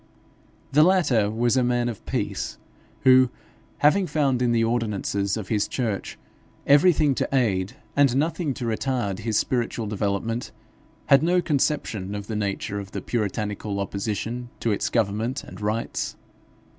The latter was a man of peace, who, having found in the ordinances of his church everything to aid and nothing to retard his spiritual development, had no conception of the nature of the puritanical opposition to its government and rites.